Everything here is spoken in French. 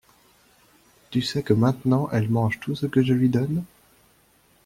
Tu sais que maintenant elle mange tout ce que je lui donne?